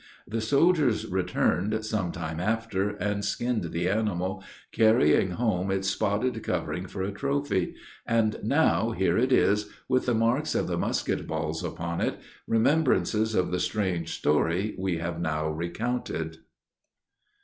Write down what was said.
The soldiers returned, some time after, and skinned the animal, carrying home its spotted covering for a trophy; and now, here it is, with the marks of the musket balls upon it, remembrances of the strange story we have now recounted.